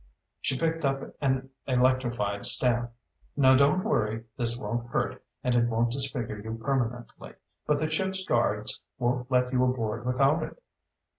She picked up an electrified stamp. "Now don't worry. This won't hurt and it won't disfigure you permanently. But the ship's guards won't let you aboard without it.